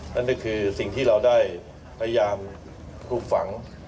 นั่นก็คือสิ่งที่เราได้พยายามปลูกฝัง